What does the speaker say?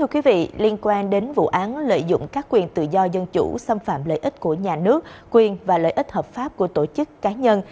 các quý vị có thể nhận thêm thông tin về các vụ án lợi dụng các quyền tự do dân chủ xâm phạm lợi ích của nhà nước quyền và lợi ích hợp pháp của tổ chức cá nhân